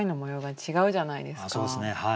そうですねはい。